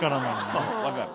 そうそう分かる。